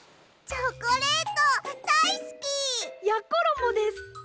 チョコレートだいすき！やころもです。